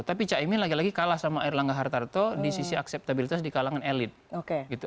tapi ca imin lagi lagi kalah sama air langga hartarto di sisi akseptabilitas di kalangan elit